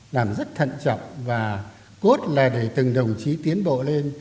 làm rất thận trọng và cốt là để từng đồng chí tiến bộ lên